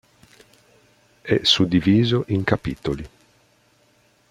È suddiviso in capitoli.